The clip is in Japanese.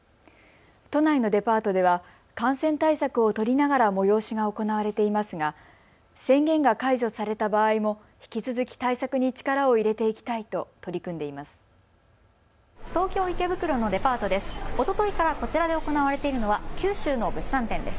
都内のデパートでは感染対策を取りながら催しが行われていますが、宣言が解除された場合も引き続き対策に力を入れていきたいと取り組んでいます。